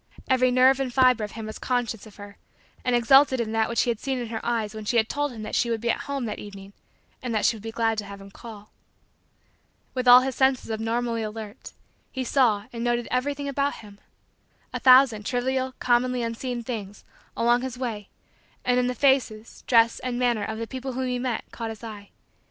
Every nerve and fiber of him was conscious of her and exulted in that which he had seen in her eyes when she had told him that she would be at home that evening and that she would be glad to have him call. With all his senses abnormally alert, he saw and noted everything about him. A thousand trivial, commonly unseen things, along his way and in the faces, dress, and manner, of the people whom he met, caught his eye.